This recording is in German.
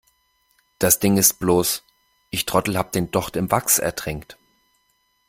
Das Ding ist bloß, ich Trottel habe den Docht im Wachs ertränkt.